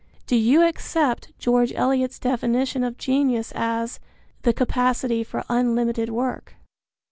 Do you accept George Eliot's definition of genius as "the capacity for unlimited work"?